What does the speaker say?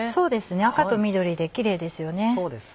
赤と緑でキレイですよね。